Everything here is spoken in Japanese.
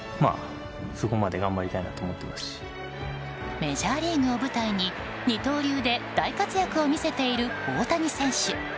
メジャーリーグを舞台に二刀流で大活躍を見せている大谷選手。